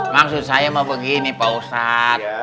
maksud saya mau begini pak ustadz